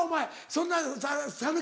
そんなの。